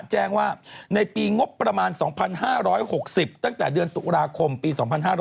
แจ้งว่าในปีงบประมาณ๒๕๖๐ตั้งแต่เดือนตุลาคมปี๒๕๕๙